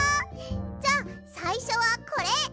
じゃさいしょはこれ！